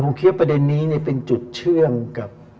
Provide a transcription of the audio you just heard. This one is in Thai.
แล้วผมเคลียร์ประเด็นนี้เป็นจุดเชื่องกับ